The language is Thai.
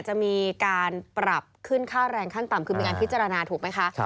จะมีการปรับขึ้นค่าแรงขั้นต่ำคือมีการพิจารณาถูกไหมคะ